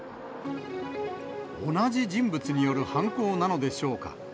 同じ人物による犯行なのでしょうか。